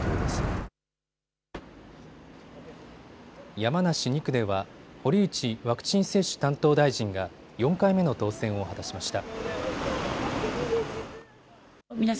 山梨２区では堀内ワクチン接種担当大臣が４回目の当選を果たしました。